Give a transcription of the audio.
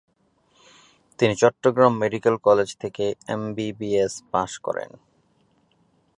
তিনি Chittagong medical college থেকে MBBS pass করেন।